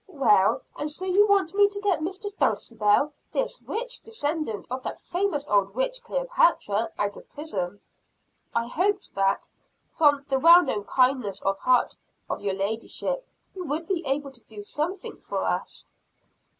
"Well, and so you want me to get Mistress Dulcibel, this witch descendant of that famous old witch, Cleopatra, out of prison?" "I hoped that, from the well known kindness of heart of your ladyship, you would be able to do something for us."